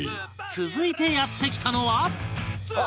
続いてやって来たのは